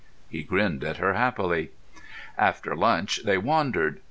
He grinned at her happily. After lunch they wandered.